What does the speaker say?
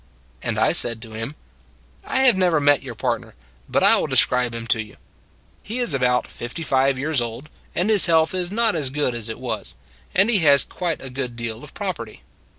And I said to him: " I have never met your partner, but I will describe him to you. He is about fifty five years old, and his health is not as good as it was, and he has quite a good deal of property."